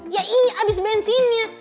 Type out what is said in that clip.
ya iya abis bensinnya